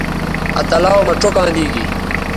آ تلاؤ مہ چوکاں دی گی